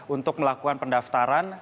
untuk melakukan pendaftaran